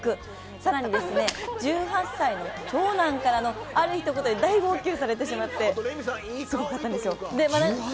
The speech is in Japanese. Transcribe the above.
さらに１８歳の長男からのあるひと言で大号泣されてしまってすごかったです。